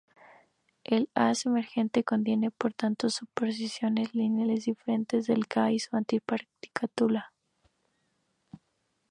El haz emergente contiene por tanto superposiciones lineales diferentes del K y su antipartícula.